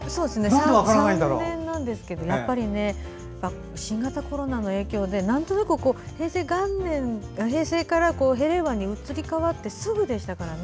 ３年なんですけど新型コロナの影響で、なんとなく平成から令和に移り変わってすぐでしたからね。